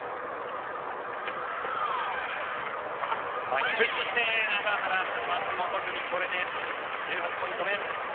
前にプッシュして永原、松本組これで１８ポイント目。